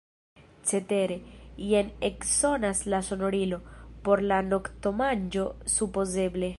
Cetere, jen eksonas la sonorilo; por la noktomanĝo, supozeble.